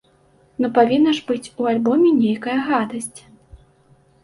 Ну павінна ж быць у альбоме нейкая гадасць!